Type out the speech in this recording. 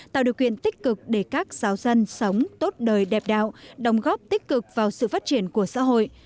tạo điều kiện tích cực để các giáo dân sống tốt đời đẹp đạo đồng góp tích cực vào sự phát triển của xã hội